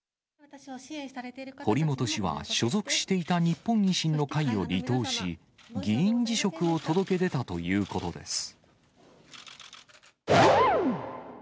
堀本氏は所属していた日本維新の会を離党し、議員辞職を届け出たということです。